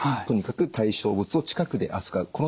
とにかく対象物を近くで扱う。